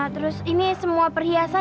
terus ini semua perhiasan